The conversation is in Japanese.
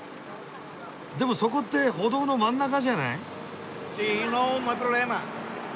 でもそこって歩道の真ん中じゃない？